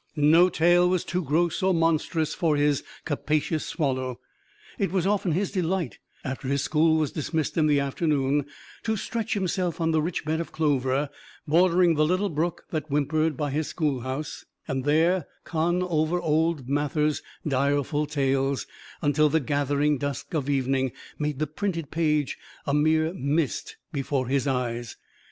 No tale was too gross or monstrous for his capacious swallow. It was often his delight, after his school was dismissed in the afternoon, to stretch himself on the rich bed of clover, bordering the little brook that whimpered by his schoolhouse, and there con over old Mather's direful tales, until the gathering dusk of evening made the printed page a mere mist before his eyes.